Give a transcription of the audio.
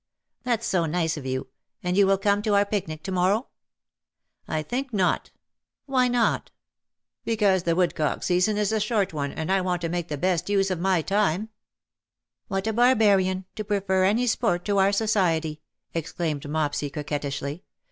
"That's so nice of you; and you will come to our picnic, to morrow T' " I think not/' " Why not ?'" Because the woodcock season is a short one, and I want to make the best use of my time/"' " What a barbarian, to prefer any sport to our society,'' exclaimed Mopsy coquettishly.